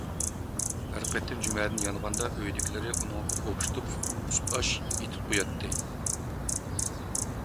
ھەر قېتىم جۈمەدىن يانغاندا ئۆيدىكىلىرى ئۇنىڭغا ئوخشىتىپ سۈتئاش ئېتىپ قوياتتى.